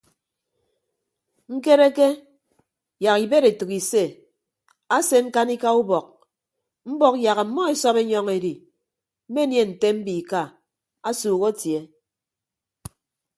Ñkereke yak ibed etәk ise ase ñkanika ubọk mbọk yak ọmmọ esọp enyọñ edi mmenie nte mbiika asuuk atie.